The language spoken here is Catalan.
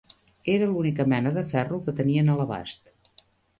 Era l'única mena de ferro que tenien a l'abast.